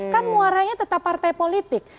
kan muaranya tetap partai politik